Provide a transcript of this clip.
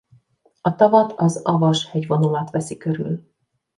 A tavat az Avas-hegyvonulat veszi körül.